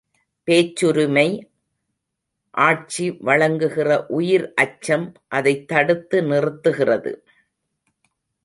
பேச்சுரிமை ஆட்சி வழங்குகிறது உயிர் அச்சம் அதைத் தடுத்து நிறுத்துகிறது.